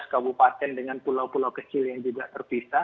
dua belas kabupaten dengan pulau pulau kecil yang juga terpisah